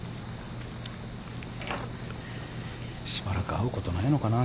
しばらく会うことないのかな